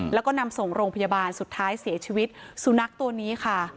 แล้วก็นำส่งโรงพยาบาลสุดท้ายเสียชีวิตสุนัขตัวนี้ค่ะ